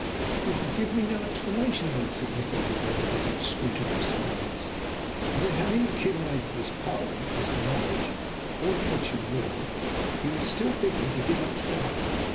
"You can give me no explanation, then?" said Nikola, with one of his inscrutable smiles. "And yet, having accumulated this power, this knowledge, call it what you will, you would still bid me give up Science.